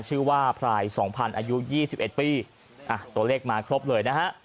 ชื่อว่าพลายสองพันอายุยี่สิบเอ็ดปีอ่ะตัวเลขมาครบเลยนะฮะ